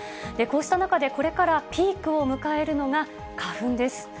こうした中で、これからピークを迎えるのが、花粉です。